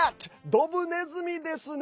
ドブネズミですね。